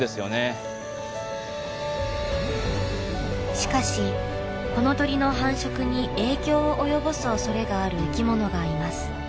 しかしこの鳥の繁殖に影響を及ぼす恐れがある生き物がいます。